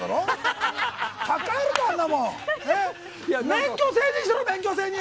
免許制にしろ、免許制に！